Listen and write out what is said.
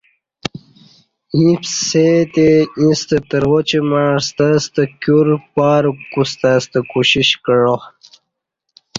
ییں پسے تی ایݩستہ ترواچ مع ستے ستہ کیور پاروک کُوستہ ستہ کوشش کعا